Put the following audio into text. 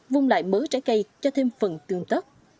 vung lại mớ trái cây cho thêm phần tương tất